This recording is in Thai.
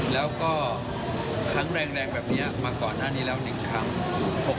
แล้วก็ครั้งแรงแบบนี้มาก่อนหน้านี้แล้ว๑ครั้ง